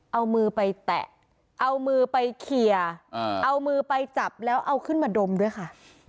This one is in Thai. เอามือไปแตะเอามือไปเคลียร์เอามือไปจับแล้วเอาขึ้นมาดมด้วยค่ะ